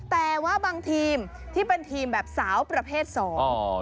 แต่ว่าบางทีมที่เป็นทีมแบบสาวประเภทสอง